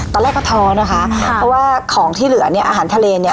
ตอนแรกก็ท้อนะคะเพราะว่าของที่เหลือเนี่ยอาหารทะเลเนี่ย